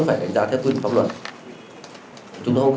từ phía các cơ quan nhà nước